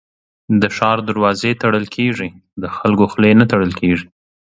د ښار دروازې تړل کېږي ، د خلکو خولې نه تړل کېږي.